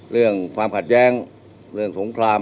เรื่องความขัดแย้งเรื่องสงคราม